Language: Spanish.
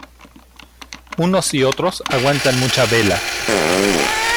Unos y otros aguantan mucha vela.